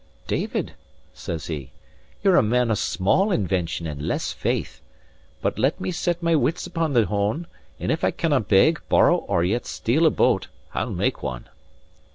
"David," says he, "ye're a man of small invention and less faith. But let me set my wits upon the hone, and if I cannae beg, borrow, nor yet steal a boat, I'll make one!"